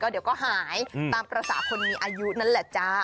เดี๋ยวก็หายตามภาษาคนมีอายุนั่นแหละจ้า